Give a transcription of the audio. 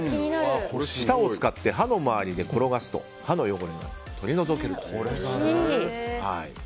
舌を使って歯の周りで転がすと歯の汚れが取り除ける。